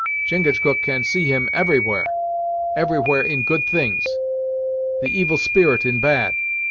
"Chingachgook can see Him everywhere everywhere in good things the Evil Spirit in bad.